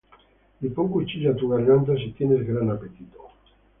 Y pon cuchillo á tu garganta, Si tienes gran apetito.